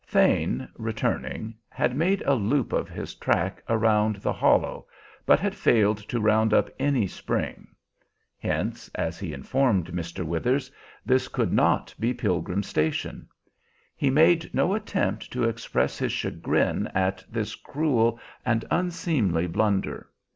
Thane, returning, had made a loop of his track around the hollow, but had failed to round up any spring. Hence, as he informed Mr. Withers, this could not be Pilgrim Station. He made no attempt to express his chagrin at this cruel and unseemly blunder.